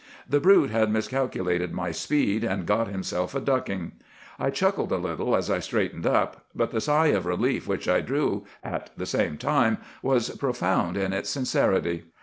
The brute had miscalculated my speed, and got himself a ducking. I chuckled a little as I straightened up; but the sigh of relief which I drew at the same time was profound in its sincerity.